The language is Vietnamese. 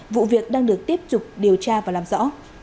vụ việc đang được tiếp tục điều tra và làm rõ